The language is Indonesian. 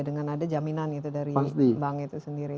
dengan ada jaminan itu dari bank itu sendiri